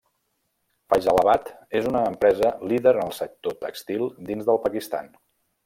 Faisalabad és una empresa líder en el sector tèxtil dins del Pakistan.